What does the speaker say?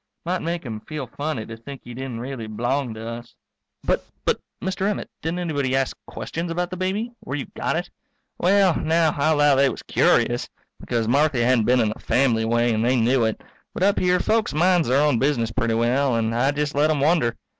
Might make him feel funny to think he didn't really b'long to us. But but Mr. Emmett, didn't anybody ask questions about the baby where you got it? Well, now, I'll 'low they was curious, because Marthy hadn't been in the family way and they knew it. But up here folks minds their own business pretty well, and I jest let them wonder.